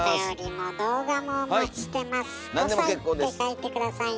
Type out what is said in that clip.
「５さい」って書いて下さいね。